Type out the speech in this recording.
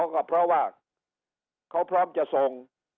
ก็เพราะว่าเขาพร้อมจะส่ง